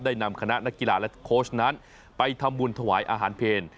นำคณะนักกีฬาและโค้ชนั้นไปทำบุญถวายอาหารเพล